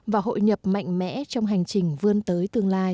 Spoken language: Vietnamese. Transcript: và hội nhập mạnh mẽ trong hành trình vươn tới tương lai